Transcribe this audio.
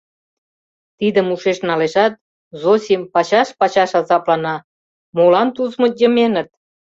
Тидым ушыш налешат, Зосим пачаш-пачаш азаплана: молан Тузмыт йыменыт?